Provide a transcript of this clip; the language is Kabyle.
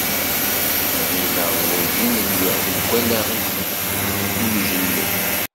Γileɣ werǧin lliɣ deg wallaɣ-ik imǧelleb.